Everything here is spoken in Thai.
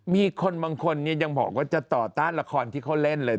มีคนบางคนยังบอกว่าจะต่อต้านละครที่เขาเล่นเลย